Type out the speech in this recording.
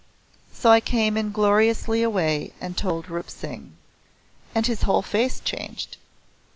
So I came ingloriously away and told Rup Singh. And his whole face changed.